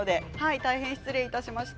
大変失礼いたしました。